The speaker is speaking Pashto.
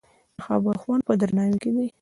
د خبرو خوند په درناوي کې دی